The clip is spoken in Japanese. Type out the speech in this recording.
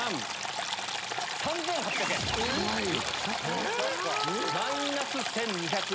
え⁉マイナス１２００円です。